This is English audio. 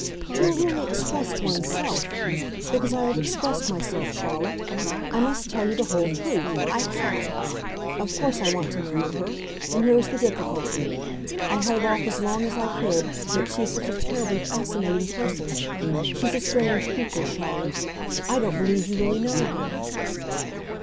"To have really expressed one's self. Because I have expressed myself, Charlotte; I must tell you the whole truth—I have! Of course I want to marry her—and here is the difficulty. I held off as long as I could; but she is such a terribly fascinating person! She's a strange creature, Charlotte; I don't believe you really know her."